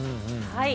はい。